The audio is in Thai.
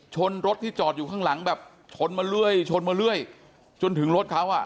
ชนรถที่จอดอยู่ข้างหลังแบบชนมาเรื่อยจนถึงรถเขา